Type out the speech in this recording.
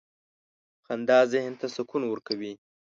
• خندا ذهن ته سکون ورکوي.